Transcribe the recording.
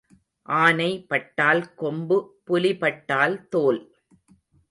ஆனை பட்டால் கொம்பு புலி பட்டால் தோல்.